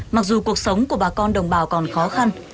mặc dù cuộc sống của bà con đồng bào còn khó khăn